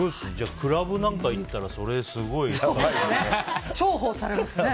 クラブなんかいったらそれ、すごいですね。